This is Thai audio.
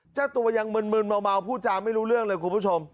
เจ้าตัวยังมึนเมาพูดจาไม่รู้เรื่องเลยคุณผู้ชม